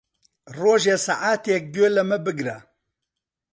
ڕۆژێ سەعاتێک گوێ لەمە بگرە.